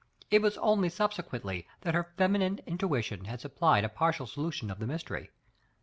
It was only subse quently that her feminine intuition had supplied a partial solution of the mystery.